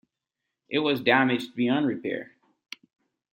It was damaged beyond repair.